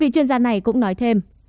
vị chuyên gia này cũng nói thêm